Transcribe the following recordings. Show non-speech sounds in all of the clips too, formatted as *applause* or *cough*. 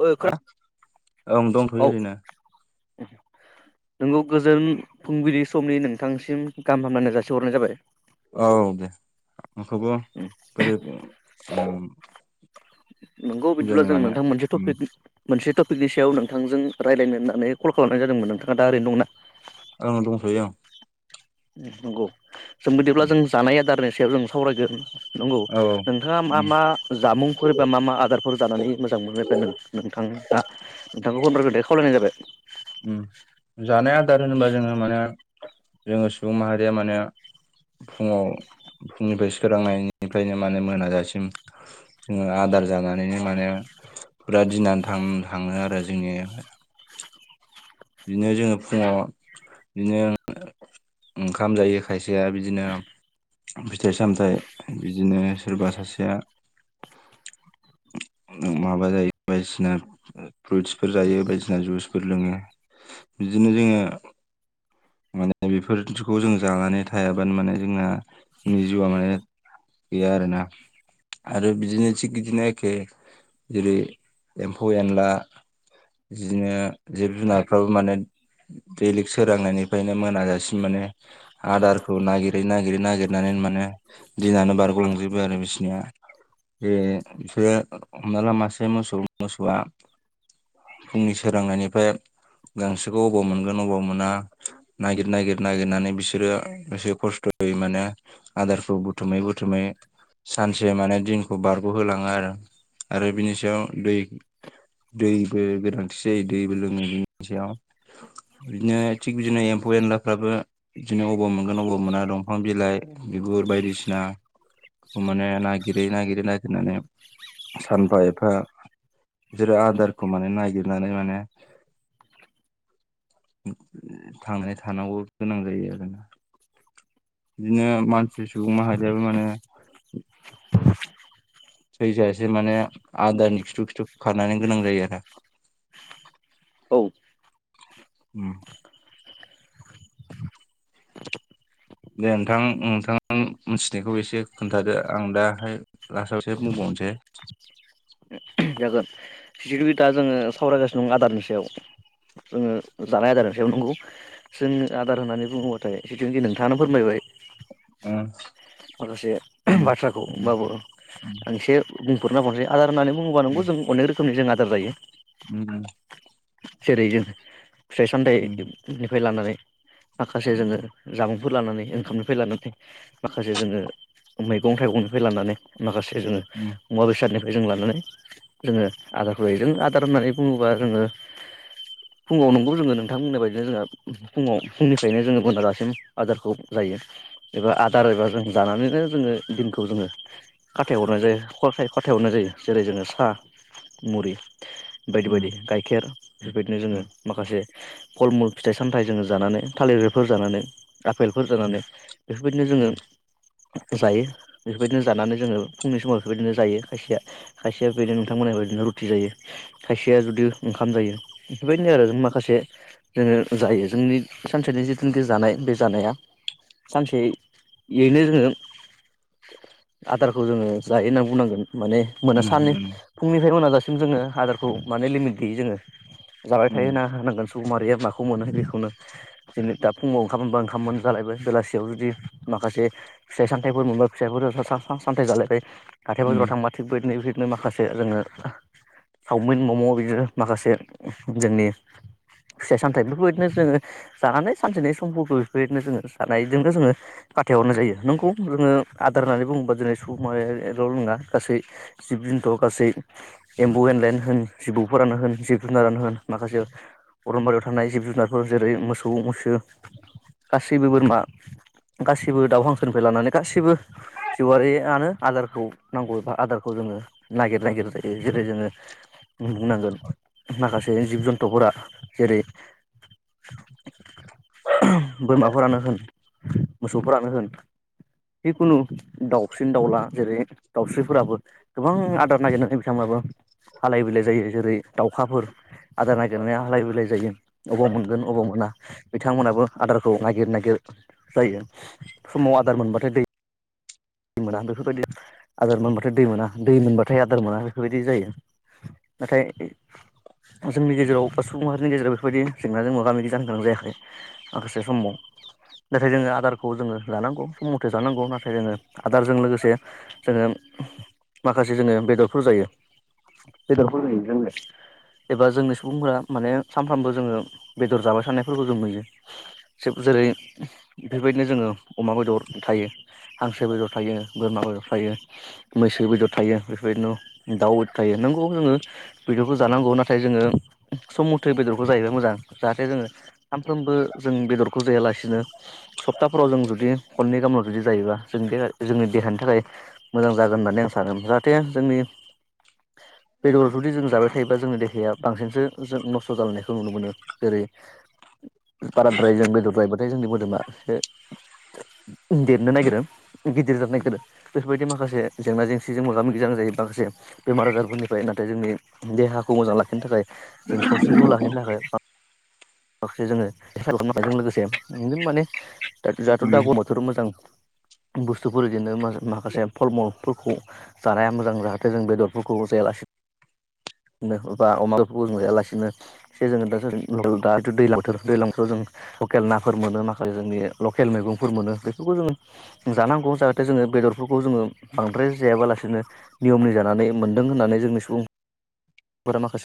ओ खोना ह ओं दंथ'यो औ ओरैनो नोंगौ गोजोन फुंबिलि समनि नोंथांसिम गाहाम हामलायनाय जासिहरनाय जाबाय। औ दे *unintelligible* नंगौ बिदिब्ला फुंजानि जों माने नोंथां मोनसे टपिक मोनसे टपिक बिनि सायाव नोंथांजों रायलायनो होन्नानै कल खालामनाय जादोंमोन नोंथाङा दा ओरैनो दङोना औ दंथोयो नंगौ जों बिदिब्ला जों जानाय आदारनि सायाव जों सावरायगोन। नंगौ औ नोंथाङा मा मा जामुंफोर बा मा मा आदारफोर। जानानै मोजां मोनबाय नोंथाङा नोंथांखौ *unintelligible* गोदाय खावलायनाय जाबाय ओम जानाय आदार होनोबा जोङो माने जोङो सुबुं माहारिया माने फुंङाव फुंनिफ्राय सोरांनायनिफ्रायनो माने मोनाजासिम जोङो आदार जानानैनो माने फुरा दिनानो थां थाङो आरो जोंनियावहाय बिदिनो जोङो फुङाव बिदिनो ओंखाम जायो खायसेया बिदिनो फिथाइ सामथायाइ बिदिनो सोरबा सासेया। माबा जायो बायदिसिना फ्रुइटसफोर जायो बायदिसिना जुसफोर लोङो। बिदिनो जोङो माने बेफोरखौ जों जानानै थायाबानो माने जोंना जिउआ माने बेयो आरोना आरो बिदिनो थिग बिदिनो एखे जेरै एम्फौ एनला। बिदिनो जिब जुनारफ्राबो माने दिलिग सोरांनायनिफ्रायनो मोनाजासि माने आदारखौ नागिरै नागिरै नागिरनानै माने दिनानो बारग'लांजोबो आरो बिसिनिया बेफोरो हमना ला मासे मोसौ मोसौआ। फुंनि सोरांनायनिफ्राय गांसोखौ अबाव मोनगोन अबाव मोना नागिर नागिर। नागिरनानै बिसोरो एसे खस्थ'यै माने आदारखौ बुथुमै बुथुमै। सानसे माने दिनखौ बारग'होलाङो आरो आरो बिनि सायाव दै दैबो गोनांथि जायो दैबो लोङो बिनि सायाव। बिदिनो थिग बिदिनो एमफौ एनला फ्राबो बिदिनो अबाव मोनगोन अबाव मोना दंफां बिलाइ बिगुर बायदिसिना। माने नागिरै नागिरै नागिरनानै सानफा एफा। बिसोरो आदारखौ माने नागिरनानै माने। थांनानै थानांगौ गोनां जायो आरोना बिदिनो मानसि सुबुं माहारियाबो माने थैजासे माने आदारनि खिथु खिथु खारनो गोनां जायो आरो औ उम दे नोंथां नोंथां मिथिनायखौ एसे खोन्थादो आं दाहाय लास्टाव एसे बुंबाव *unintelligible* जागोन बिसेखि दा जोङो सावरायगासिनो दं आदारनि सायाव जोङो जानाय आदारनि सायाव नंगौ जों आदार होननानै बुङोबाथाय जेखिन नोंथाङानो फोरमायबाय आ माखासे बाथ्राखौ होनबाबो आं एसे बुंफोरना *unintelligible* होननानै बुङोबा नोंगौ जों अनेक रोखोमनि जों आदार जायो उम जेरै जों फिथाइ सामथाइनिफ्राय लानानै माखासे जोङो जामुं फोर लानानै ओंखामनिफ्राय लानानै माखासे जोङो मैगं थाइगंनिफ्राय लानानै माखासे जोङो मुवा बेसादनि फ्राय जों लानानै जोङो आदारखौ हैदों आदार होननानै बुङोबा जोङो *inaudible* फुङाव नंगौ जोङो नोंथां बुंनाय बायदिनो जोहा फुङाव फुंनिफ्रायनो जोङो मोनाजासिम आदारखौ जायो। एबा आदार एबा जों जानानैनो जोङो दिनखौ जोङो खाथाय हरनाय जायो हग खाथाय हरनाय जायो जेरै जोङो साहा मुरि बायदि बायदि गाइखेर बेबायदिनो जोङो माखासे कलमुल फिथाइ सामथाइ जोङो जानानै थालिरफोर जानानै आफेलफोर जानानै बेफोरबायदिनो जोङो जायो। बेफोरबायदिनो जानानै जोङो फुंनि समाव बेफोरबायदिनो जायो खायसेया खायसेया बेदिनो नोंथां बुंनायबादिनो रुटि जायो। खायसेया जुदि ओंखाम जायो बेफोरबायदिनो आरो माखासे जोङो जायो जोंनि सानसेनि जिनाखि जानाय बे जानाया सानसेयैनो जोङो *inaudible* आदारखौ जोङो जायो होननानै बुंनांगोन माने मोना सान उम फुंनिफ्राय मोना दासिम जोङो आदार खौ माने लिमिट गैयै जोङो जाबाय थायो होना होनांगोन सुबुं माहारिया माखौ मोनो बेखौ खौनो दा फुुंआव ओंखाम मोनबा ओंखाम मोन जालायबाय बेलासियाव जुदि माखासे फिथाइ- सामाइ बेफोर मोनबा फिसाइफोरा सामथाय जालायबाय। हाथाय बाजाराव थांबा थिग बिबायदिनो बिदिनो माखासे जोङो सावमिन म'म' बिदिनो माखासे जोंनि फिथाइ सामथाइ बेफोरबायदिनो जोङो जानानै सानसेनि समफोरखौ बेफोरबायदिनो जोङो जानायजोंनो जोङो फाथायहरनाय जायो नंगौ जोङो आदार होननानै बुङोबा दिनै सुबुं माहारियाल' नंङा गासै जिब जिनथ' गासै एम्बौ एनलायानो होन जिबौफोरानो होन जिब जुनारानो होन माखासे अरन बारियाव थानाय जिब जुनारफोर जेरै मोसौ मैसो गासैबो बोरमा गासिबो दाउ हांसोनिफ्राय लानानै गासिबो जिउयारियानो आदारखौ नांगौ एबा आदारखौ जों ओ नागिर नागिर जायो जेरै जोङो बुनांगोन माखासे जिब जुन्थुफोरा जेरै ओहोम बोरमाफोरानो होन मोसौफोरानो होन जिखुनु दाउसिन दाउला जेरै दाउस्रिफोराबो गोबां आदार नागिरनानै बिथांमोन हालाय बिलाय जायो जेरै दाउखाफोर आदार नागिरनाया हालाय-बिलाय जायो अबाव मोनगोन अबाव मोना बिथांमोनाबो आदारखौ नागिर नागिर जायो समाव आदार मोनबाथाय दै दै मोना बेफोरबायदि आदार मोनबाथाय दै मोना दै मोनबाथाय आदार मोना बेफोरबायदि जायो। नाथाय जोंनि गेजेराव बा सुबुं हारिनि गेजेराव बेफोरबायदि जेंनाजों मोगा-मोगि जानो गोनां जायाखै माखासे समाव नाथाय जोङो आदारखौ जोङो लानांगौ सम मथे जानांगौ नाथाय जोङो आदारजों लोगोसे जोङो माखासे जोङो बेदरफोर जायो। *unintelligible* एबा जोंनि सुबुंफोरा माने सानफ्रामबो जोङो बेदर जाबाय थानायफोरखौ जों नुयो जेरै बेफोरबायदिनो जोङो अमा बेदर थायो हांसो बेदर थायो बोरमा बेदर थायो मैसो बेदर थायो बेफोरबायदिनो दाउ बेदर थायो नोंगौ खौ बेदरखौ जांगौ नाथाय जोङो सम मथे बेदरखौ जायोबा मोजां जाहाथे जोङो सानफ्रोमबो जों बेदरखौ जायालासिनो सप्ताफोराव जों जुदि खननै गाहामल' जुदि जायोबा जों बे जोंनि देहानि थाखाय मोजां जागोन होननानै आं सानो जाहाथे जोंनि बेदरखौ जुदि जों जाबाय थायोबा जोंनि देहाया बांसिनसो जों नस्थ' जालांयनायखौ नुनो मोनो। जेरै बाराद्राय जों बेदर जायोबाथाय जोंनि मोदोमा एसे देरनो नागिरो गिदिर जानो नागिरो बेफोरबायदि माखासे जेंना जेंसिजों मोगा मोगि जानांगौ जायो माखासे बेमार आजारफोरनिफ्राय नाथाय जोंनि देहाखौ मोजां लाखिनो थाखाय जों सावस्रिखौ लाखिनो थाखाय माखासे जोङो हेफाजाब खालामनो हानायजों लोगोसे नों माने दाथ' गोजां उम बोथोर मोजां। *unintelligible* बुस्थुफोर इदिनो मा-माखासे फलमल फोरखौ जानाया मोजां जाहाथे जों बेदरफोरखौबो जायालासि बा अमा *unintelligible* जायालासिनो एसे जोङो *inaudible* दाथ' दैलां बोथोर दैलां बोथोराव जों लकेल नाफोर मोनो माखासे जोंनि लकेल मैगंफोर मोनो बेफोरखौ जोंङो जानांगौ जाहाथे जोङो बेदरफोरखौ जोङो बांद्राय जायाबालासिनो नियमनि जानानै मोनदों होननानै जोंनि सुबुं फोरा माखासे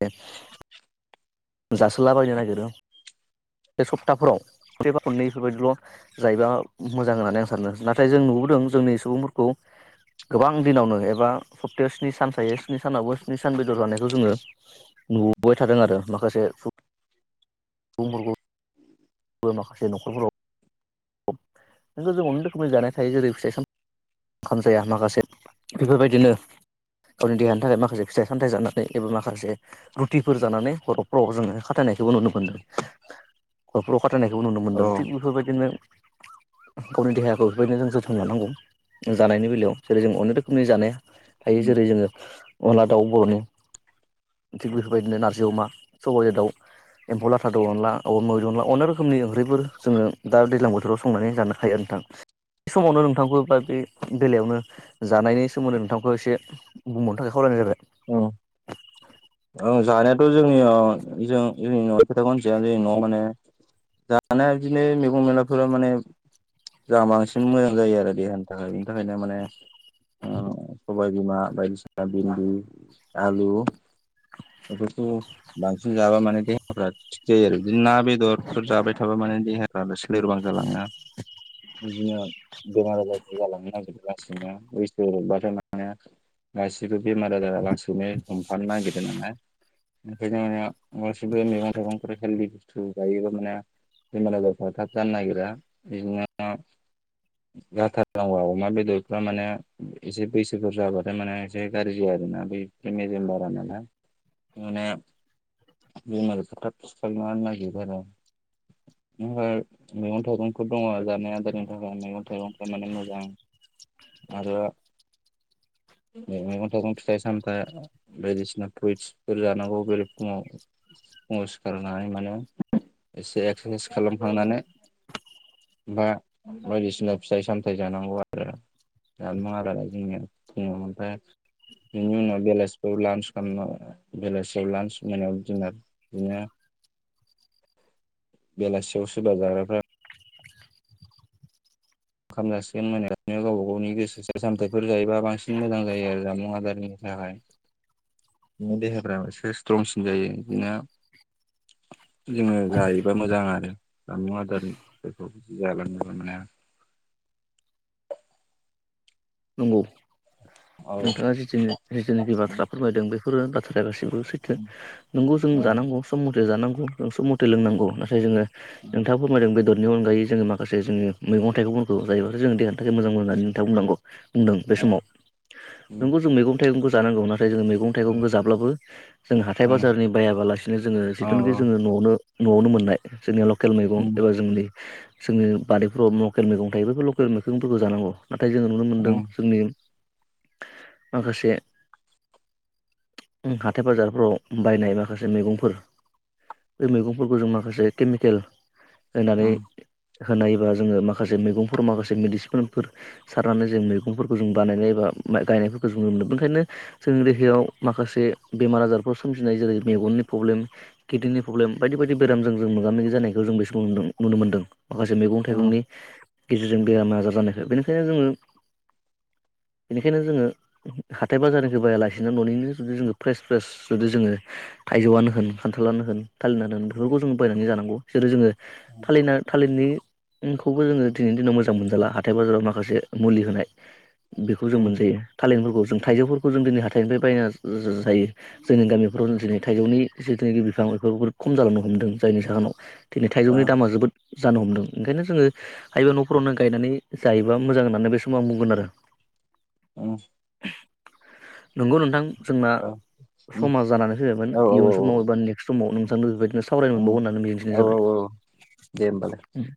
*unintelligible* जासोलाबायनो नागिरो बे सप्ताफोराव खनसे बा खननै इफोरबायदिल' जायोबा मोजां होननानै आं सानो नाथाय जों नुबोदों जोंनि सुबुंफोरखौ गोबां दिनावनो एबा सप्तायाव स्नि सान थायो स्नि सानावबो स्नि सान बेदर जानायखौ जोङो नुबोबाय थादों आरो माखासे *unintelligible* बो माखासे न'खरफोराव *unintelligible* अनेक रोखोमनि जानाय थायो जेरै फिथाइ साम खाम जाया माखासे बेफोरबायदिनो गावनि देहानि थाखाय माखासे फिथाइ सामथाइ जानानै एबा माखासे रुटिफोर जानानै हर फोराव जोङो खाथायनाय नायखौबो नुनो मोनदों हरफोराव खाथायनायखौबो नुनो औ मोनदों थिग बेफोरबायदिनो *inaudible* गावनि देहाखौ बेफोरबायदिनो जों जोथोन लानांगौ जानायनि बेलायाव जेरै जों अनेक रोखोमनि जानाय थायो जेरै जोङो अनला दाउ बर'नि थिग बेफोरबायदिनो नारजि अमा सबाइजों दाउ एम्फौ लाथादो अनला *inaudible* अनला अनेक रोखोमनि ओंख्रिफोर जोङो दा दैज्लां बोथोराव संनानै जानो हायो नोंथां समावनो नोंथांखौ बा बे बेलायावनो जानायनि सोमोन्दै नोंथांखौ एसे बुंबावनो थाखाय खावलायनाय जाबाय औ ओ जानायाथ' जोंनिया जों-जोंनि *inaudible* माने जानाया बिदिनो मैगं मैलाफोरा माने जोंहा बांसिन मोजां जायो आरो देहानि थाखाय बिनि थाखायनो माने ओ सबाय बिमा बायदिसिना भिन्दि आलु बेफोरखौ बांसिन जाबा माने देहाफ्रा थिग जायो आरो बिदिनो ना बेदर फोर जाबाय थाबा माने देहाफोरा सोलेरबां जालाङो आ बिदिनो बेमार आजारफोर जालांनो नागिरो लासैनो *unintelligible* *unintelligible* हमफानो नागिरदोंमों ना *inaudible* गासिबो मैगं थाइगंफोर हेलदि बुस्थु जायोबा माने बेमार आजारफ्रा थाब जानो नागिरा बिदिनो जाथारनांगौ अमा बेदरफ्रा माने एसे बैसोफोर जाबाथाय माने एसे गाज्रि *unintelligible* मेजेम बारा नालाय माने *unintelligible* *unintelligible* मैगं थाइगंफोर दङ' जानाय आदारनि थाखाय मैगं थाइ थाइगंफ्रा माने मोजां आरो *unintelligible* थाइगं *unintelligible* फिथाइ सामथाइ बायदिसिना फ्रुइटसफोर जानांगौ बेरे फुङाव फुङाव सिखारनानै मानो एसे एक्सारसाइस खालामखांनानै बा बायदिसिना फिथाइ सामथाइ जानांगौ आरो *unintelligible* ओमफाय बिनि उनाव बेलासिफ्रव लान्च खामनाव बेलासियाव लान्च मोनायाव दिनार बिनो बेलासियाव सोरबा जाग्राफ्रा ओंखाम जासिगोन *unintelligible* गावबा गावनि गोसो सो सामथायफोर जायोबा बांसिन मोजां जायो आरो जामुं आदारनि थाखाय बिनो देहाफ्राबो एसे स्ट्रंसिन जायो बिदिनो *unintelligible* जोङो जायोबा मोजां आरो जामुं आदारनि फोरखौ जाग्रोनो मोननाया *unintelligible* नंगौ औ नोंथाङा जिथिनि जि खिनिखि बाथ्रा फोरमायदों बेफोर बाथ्राया गासिबो बो सैथो नोंगौ जों औ जानांगौ सम मथे जानांगौ जों सम मथे लोंनांगौ नाथाय जोङो नोंथाङा फोरमायदों बेदर बेनि अनगायै जोङो माखासे जों मैगं थाइगंफोरखौ जायोब्लाथाय जोङो देह थाखाय मोजां मोन होननानै नोंथां बुंनांगौ। बुंदों बे समाव औ नोंगौ जों मैगं थाइगंखौ जानांगौ ना थाय जोङो मैगं थाइगं गोजाब्लाबो जों हाथाइ बाजारनि बायाबालासिनो जोङो जिथुनखि जोङो न'आवनो न'आवनो मोननाय जोंनिया लकेल मैगं एबा जोंनि जोंनि बारिफ्राव लकेल मैगं थायो बेफोर लकेल मैगंफोरखौ जानांगौ नाथाय जोङो नुदों जोंनि माखासे हाथाय बाजारफोराव बायनाय माखासे मैगंफोर बे मैगंफोरखौ जों माखासे केमिकेल होनानै होनायोबा जोङो माखासे मैगंफोर माखासे मेडिसिनफोर सारनानै जों मै मैगंफोरखौ जों बानायनाय एबा गायनायफोरखौ जों नु मोनो ओंखायनो जोंनि देहायाव माखासे बेमार आजार फ्राव सोमजिनाय जेरै मेगननि प्रब्लेम किडदिनि प्रब्लेम बायदि बायदि बेरामजों जों मोगा मोगि जानायखौ जों बे समाव नुदों। नुनो मोनदों माखासे मैगं थाइगंनि गेजेरजों बेराम आजार जानायखो बेनिखायनो जोङो बेनिखायनो जोङो हाथायबाजारनिखो बायालासिनो न'निनो जुदि जोङो फ्रेस फ्रेस जुदि जोङो थाइजौआनो होन खान्थालानो होन थालिरानो होन बेफोरखौ जोङो बायनानै जानांगौ जेरै जोङो थालिरना थालिरनि खौबो जोङो दिनैनि दिनाव मोजां मोनजाला हाथाय बाजाराव माखासे मुलि होनाय बेखौ जों मोनजायो थालिरफोरखौ जों थाइजौफोरखौ जों दिनै हाथाइनिफ्राय बायना जा-जा-जायो जोंनि गामिफोराव दिनै थाइजौनि जिथुनाखि बिफां बेफोरखौ बिरद खम जालांनो हमदों जायनि जाहोनाव दिनै थाइजौनि दामा जोबोद जानो हमदों ओंखायनो जोङो हायोबा न'फोरावनो गायनानै जायोबा मोजां होननानै बे समाव बुं गोन आरो। ओं। नंगौ नोंथां‌। जोंना समा जानानै फैबायमोन इयुन औ समाव एबा नेक्स्ट समाव नोंथांजों बेबायदिनो सावरायनो औ मोनबावगोन होननानै औ मिजिंथिनाय औ दे होमबालाय जाबाय।